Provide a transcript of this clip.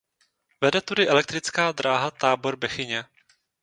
Vede tudy elektrická dráha Tábor–Bechyně.